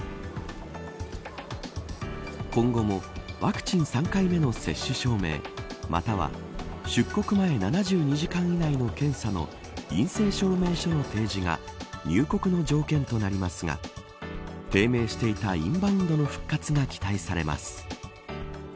今後もワクチン３回目の接種証明または、出国前７２時間以内の検査の陰性証明書の提示が入国の条件となりますが低迷していたインバウンドの復活が期待されます。